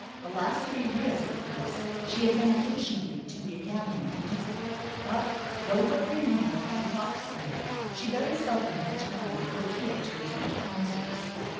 The last three years, of course, she had been occasionally to the Academy of Music; but, though her grandmother had a box there, she very seldom had time or cared to attend concerts.